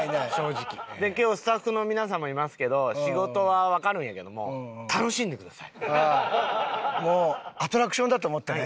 で今日スタッフの皆さんもいますけど仕事はわかるんやけどももうアトラクションだと思ってね。